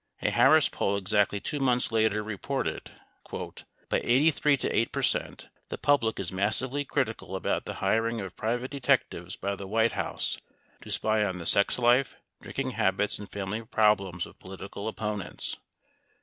A Harris poll exactly 2 months later reported : "By 83 to 8 percent, the public is massively critical about the hiring of private detectives by the White House to spy on the sex life, drinking habits, and family problems of political opponents."